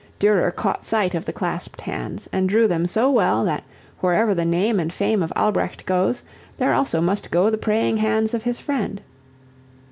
Durer caught sight of the clasped hands and drew them so well that wherever the name and fame of Albrecht goes there also must go the praying hands of his friend.